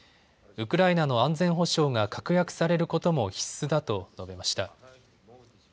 ウクライナの安全保障が確約されることも必須だと述べました。